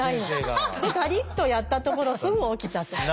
ガリッとやったところすぐ起きたと。